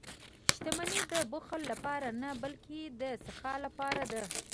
• شتمني د بخل لپاره نه، بلکې د سخا لپاره ده.